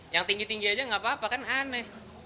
yang tinggi tinggi aja nggak apa apa kan aneh